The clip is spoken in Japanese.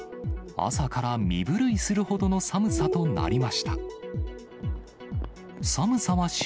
朝から身震いするほどの寒さとなりました。